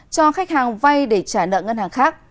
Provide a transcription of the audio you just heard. cho khách hàng vay để trả nợ ngân hàng khác